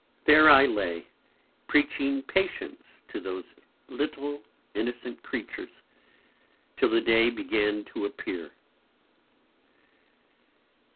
There I lay preaching Patience to those little Innocent Creatures, till the Day began to appear.